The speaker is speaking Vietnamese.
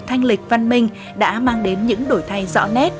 và dịch văn minh đã mang đến những đổi thay rõ nét